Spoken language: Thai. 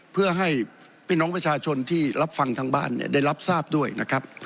เพื่อให้พี่น้องประชาชนที่รับฟังทางบ้านได้รับทราบด้วยนะครับ